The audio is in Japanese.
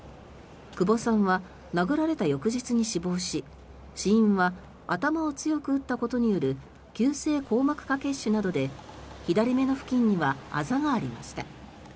久保さんは殴られた翌日に死亡し死因は頭を強く打ったことによる急性硬膜下血腫などで左目の付近にはあざがありました。